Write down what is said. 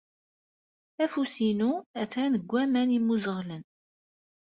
Afus-inu atan deg waman yemmuẓeɣlen.